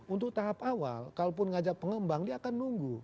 untuk tahap awal kalaupun ngajak pengembang dia akan nunggu